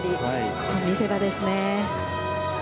ここが見せ場ですね。